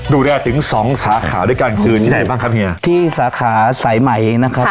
ดูแลถึงสองสาขาด้วยกันคือที่ไหนบ้างครับเฮียที่สาขาสายใหม่เองนะครับ